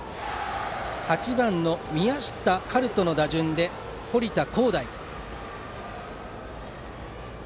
８番の宮下温人の打順で堀田晄大。